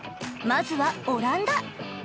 まずはオランダ。